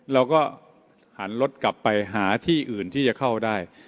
เราก็หันรถกลับไปหาที่อื่นที่จะเข้าได้